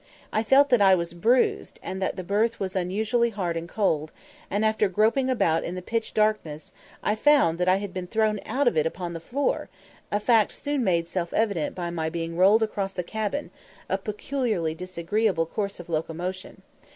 I felt that I was bruised, and that the berth was unusually hard and cold; and, after groping about in the pitch darkness, I found that I had been thrown out of it upon the floor, a fact soon made self evident by my being rolled across the cabin, a peculiarly disagreeable course of locomotion.